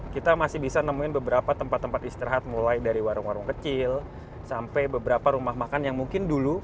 kita masih bisa nemuin beberapa tempat tempat istirahat mulai dari warung warung kecil sampai